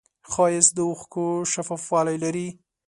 ښایست د اوښکو شفافوالی لري